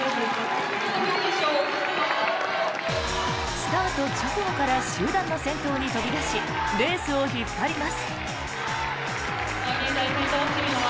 スタート直後から集団の先頭に飛び出しレースを引っ張ります。